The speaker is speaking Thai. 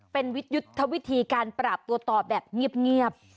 เป็นยุทธวิธีการปราบตัวต่อแบบเงียบ